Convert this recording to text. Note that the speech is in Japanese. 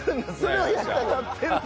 それはやったんだ。